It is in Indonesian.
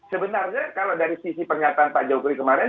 sebenarnya kalau dari sisi pernyataan pak jokowi kemarin